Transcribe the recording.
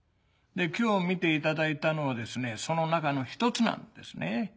で今日見ていただいたのはその中の一つなんですね。